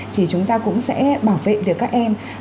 thì chúng ta cũng sẽ bảo vệ được các em